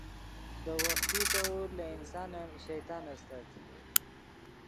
دے وختی طور لے انسانن شیطان استت